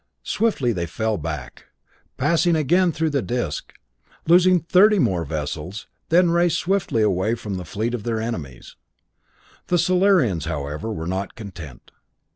Swiftly they fell back, passing again through the disc, losing thirty more vessels, then raced swiftly away from the fleet of their enemies. The Solarians, however, were not content.